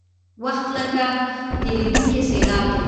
وخت لکه تېرېدونکې سیلاب دی.